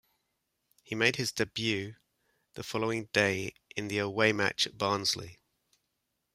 He made his debut the following day in the away match at Barnsley.